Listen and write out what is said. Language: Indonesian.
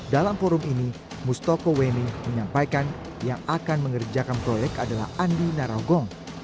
dalam forum ini mustoko weni menyampaikan yang akan mengerjakan proyek adalah andi narogong